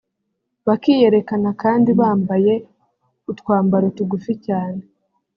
bakiyerekana kandi bambaye utwambaro tugufi cyane